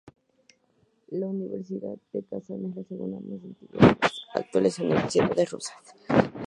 La Universidad de Kazán es la segunda más antigua de las actuales universidades rusas.